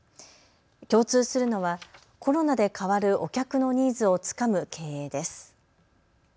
共通するのはコロナで変わるお客のニーズをつかむ経営です。